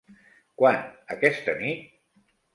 Quan, aquesta nit?